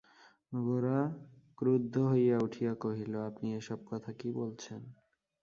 গোরা ক্রুদ্ধ হইয়া উঠিয়া কহিল, আপনি এ-সব কথা কী বলছেন!